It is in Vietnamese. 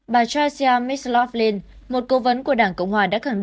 bà tracia mclaughlin một cố vấn của đảng cộng hòa